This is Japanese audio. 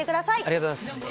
ありがとうございます。